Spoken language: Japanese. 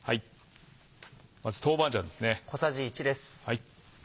まず豆板醤ですね。